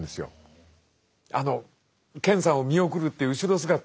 あの健さんを見送るっていう後ろ姿。